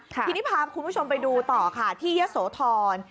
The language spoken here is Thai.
ทีนี้พาคุณผู้ชมไปดูต่อค่ะที่ยะโสธร